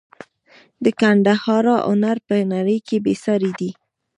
د ګندهارا هنر په نړۍ کې بې ساري دی